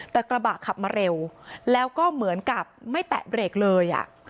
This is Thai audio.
แต่กระบะขับมาเร็วแล้วก็เหมือนกับไม่แตะเบรกเลย